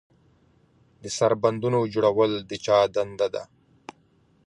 د سربندونو جوړول د چا دنده ده؟